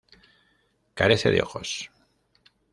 Carece de ojos.